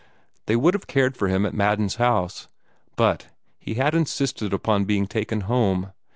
They would have cared for him at Madden's house, but he had insisted upon being taken home.